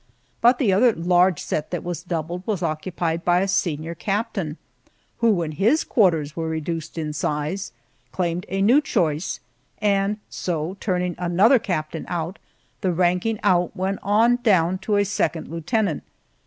But the other large set that was doubled was occupied by a senior captain, who, when his quarters were reduced in size, claimed a new choice, and so, turning another captain out, the ranking out went on down to a second lieutenant.